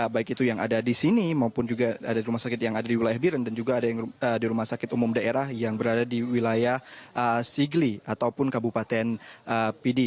baik itu yang ada di sini maupun juga ada di rumah sakit yang ada di wilayah biren dan juga ada yang di rumah sakit umum daerah yang berada di wilayah sigli ataupun kabupaten pidi